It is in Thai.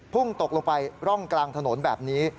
พุ่งตกลงไปร่องกลางถนนแบบนี้